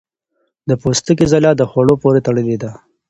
د پوستکي ځلا د خوړو پورې تړلې ده.